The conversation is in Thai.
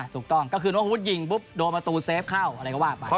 ถูกต้องก็คือว่าพุทธศาสตร์ยิงโดนประตูเซฟเข้าอะไรก็ว่าไป